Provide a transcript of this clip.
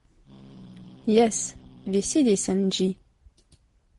Jes; vi sidis en ĝi.